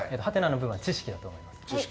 の部分は知識だと思います。